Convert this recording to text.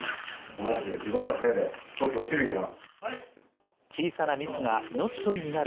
お前たちが事故ったせいで飛行機が落ちるんだよな。